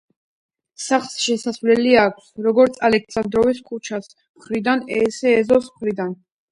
სახლს შესასვლელი აქვს როგორც ალექსანდროვის ქუჩის მხრიდან ისე ეზოს მხრიდან.